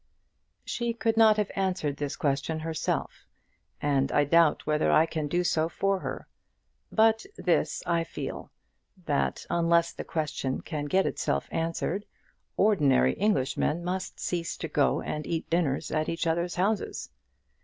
She could not have answered this question herself, and I doubt whether I can do so for her. But this I feel, that unless the question can get itself answered, ordinary Englishmen must cease to go and eat dinners at each other's houses.